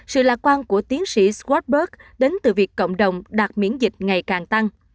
sự lạc quan của tiến sĩ squatberg đến từ việc cộng đồng đạt miễn dịch ngày càng tăng